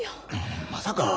んまさか。